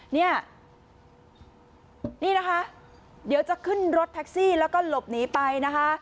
นี่นี่นะคะเดี๋ยวจะขึ้นรถแท็กซี่แล้วก็หลบหนีไปนะคะ